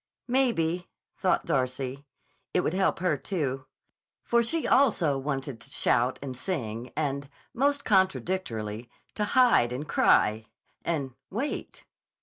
Maybe, thought Darcy, it would help her, too; for she also wanted to shout and sing, and, most contradictorily, to hide and cry—and wait.